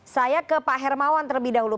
saya ke pak hermawan terlebih dahulu